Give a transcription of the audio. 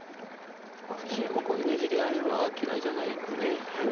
２人ともこういうねじり合いは嫌いじゃないんで。